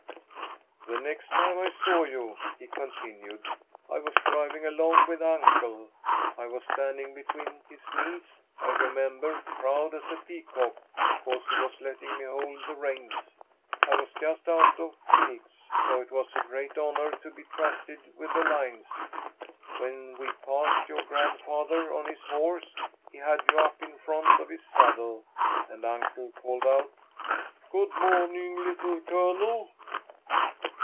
"The next time I saw you," he continued, "I was driving along with uncle. I was standing between his knees, I remember, proud as a peacock because he was letting me hold the reins. I was just out of kilts, so it was a great honor to be trusted with the lines. When we passed your grandfather on his horse, he had you up in front of his saddle, and uncle called out, 'Good morning, little Colonel.'"